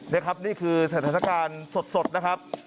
นี่คือสถานการณ์สดนะครับ